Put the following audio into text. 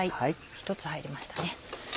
１つ入りましたね。